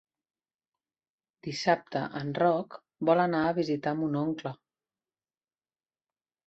Dissabte en Roc vol anar a visitar mon oncle.